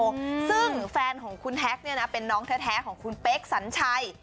อืมซึ่งแฟนของคุณแฮ็กเนี่ยนะเป็นน้องแท้แท้ของคุณเป๊กสัญชัย